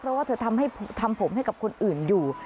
เพราะว่าเธอทำผมให้กับคนอื่นอยู่